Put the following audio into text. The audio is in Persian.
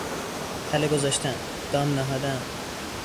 تله گذاشتن، دام نهادن